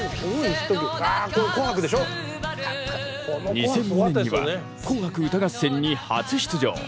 ２００２年には「紅白歌合戦」に初出場。